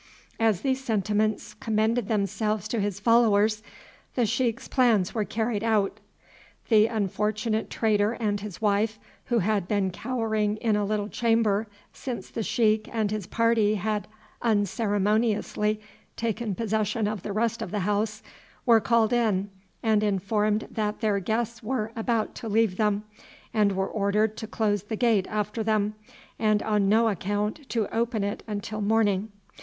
As these sentiments commended themselves to his followers the sheik's plans were carried out. The unfortunate trader and his wife, who had been cowering in a little chamber since the sheik and his party had unceremoniously taken possession of the rest of the house, were called in and informed that their guests were about to leave them, and were ordered to close the gate after them and on no account to open it until morning.